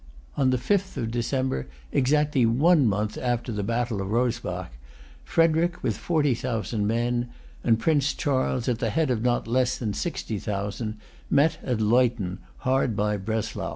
On the fifth of December, exactly one month after the battle of Rosbach, Frederic, with forty thousand men, and Prince Charles, at the head of not less than sixty thousand, met at Leuthen, hard by Breslau.